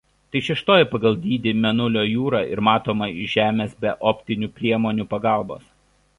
Tai šeštoji pagal dydį Mėnulio jūra ir matoma iš Žemės be optinių priemonių pagalbos.